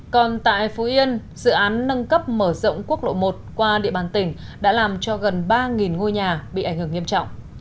còn tại phú yên dự án nâng cấp mở rộng quốc lộ một qua địa bàn tỉnh đã làm cho gần ba ngôi nhà bị ảnh hưởng nghiêm trọng